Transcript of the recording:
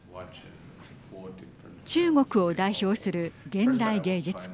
中国を代表する現代芸術家